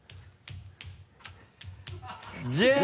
１０。